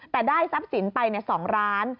แต่ได้ทรัพย์สินไป๒ล้าน